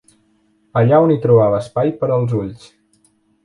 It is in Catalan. Allà on hi trobava espai per els ulls